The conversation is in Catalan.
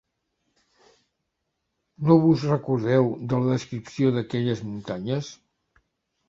No vos recordeu de la descripció d'aquelles muntanyes?